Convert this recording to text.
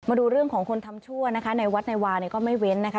มาดูเรื่องของคนทำชั่วนะคะในวัดในวาเนี่ยก็ไม่เว้นนะคะ